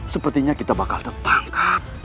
sepertinya kita bakal tertangkap